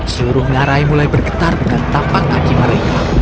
seluruh ngarai mulai bergetar dengan tapak kaki mereka